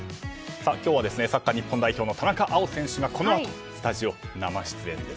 今日はサッカー日本代表の田中碧選手がこのあとスタジオに生出演です。